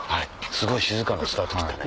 すごい静かなスタート切ったね。